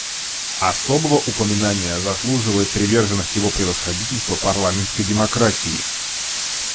Особого упоминания заслуживает приверженность Его Превосходительства парламентской демократии.